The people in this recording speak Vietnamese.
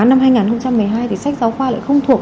năm hai nghìn một mươi hai thì sách giáo khoa lại không thuộc